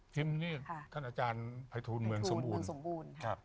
พิมพ์นี้ท่านอาจารย์ภัยทูลเมืองสมบูรณ์